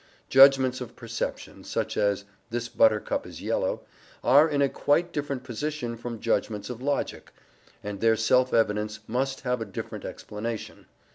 Judgments of perception, such as "this buttercup is yellow," are in a quite different position from judgments of logic, and their self evidence must have a different explanation.